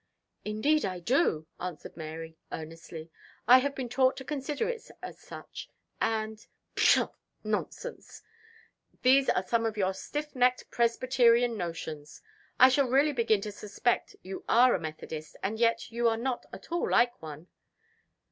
"Indeed I do," answered Mary earnestly. "I have been taught to consider it as such; and " "Pshaw! nonsense! these are some of your stiff necked Presbyterian notions. I shall really begin to suspect you are a Methodist and yet you are not at all like one."